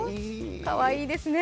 かわいいですね。